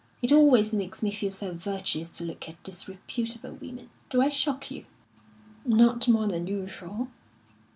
It always makes me feel so virtuous to look at disreputable women! Do I shock you?" "Not more than usual."